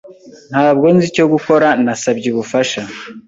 Ntabwo nzi icyo gukora, nasabye ubufasha.